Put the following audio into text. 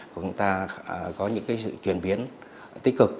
có sự chuyển biến tích cực